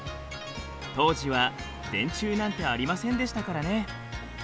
当時は電柱なんてありませんでしたからね。